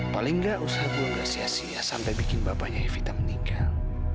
paling gak usah gue ngerasiasi ya sampai bikin bapaknya evita menikah